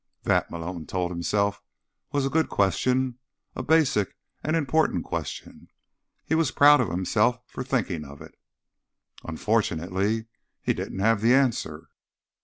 That, Malone told himself, was a good question, a basic and an important question. He was proud of himself for thinking of it. Unfortunately, he didn't have the answer.